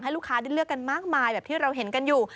ลูกค้าได้เลือกกันมากมายแบบที่เราเห็นกันอยู่